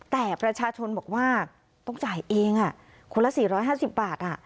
แต่ประชาชนบอกว่าต้องจ่ายเองคนละ๔๕๐บาท